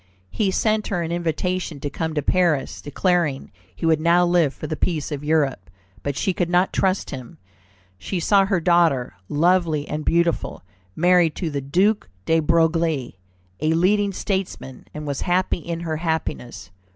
He sent her an invitation to come to Paris, declaring he would now live for the peace of Europe, but she could not trust him. She saw her daughter, lovely and beautiful, married to the Duc de Broglie, a leading statesman, and was happy in her happiness.